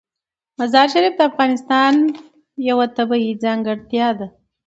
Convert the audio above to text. مزارشریف د افغانستان یوه طبیعي ځانګړتیا ده.